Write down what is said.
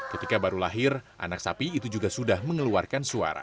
ketika baru lahir anak sapi itu juga sudah mengeluarkan suara